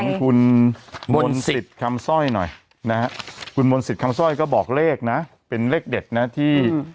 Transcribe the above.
ไปดูคมคุณมลศิษย์คำซ่อยหน่อยนะคะคุณมลศิษย์คำซ่อยก็บอกเลขนะเป็นเลขเด็ดนะที่